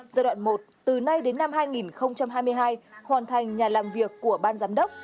giai đoạn một từ nay đến năm hai nghìn hai mươi hai hoàn thành nhà làm việc của ban giám đốc